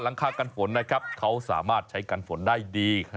หลังคากันฝนเขาสามารถใช้กันฝนได้ดี